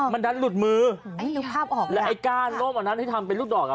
มันดัดหลุดมือแล้วก้านร่มอันนั้นที่ทำเป็นลูกดอก